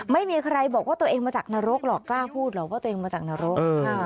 ไม่มีใครบอกว่าตัวเองมาจากนรกหรอกกล้าพูดหรอกว่าตัวเองมาจากนรก